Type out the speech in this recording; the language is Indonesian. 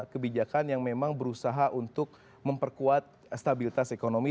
kebijakan yang memang berusaha untuk memperkuat stabilitas ekonomi